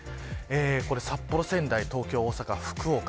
札幌、仙台、東京、大阪、福岡